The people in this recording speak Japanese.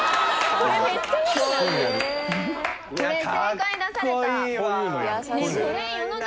これ正解出された。